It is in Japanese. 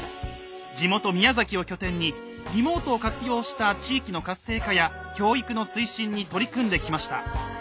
地元・宮崎を拠点にリモートを活用した地域の活性化や教育の推進に取り組んできました。